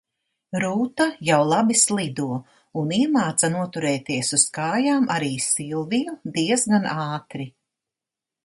Rūta jau labi slido un iemāca noturēties uz kājām arī Silviju diezgan ātri.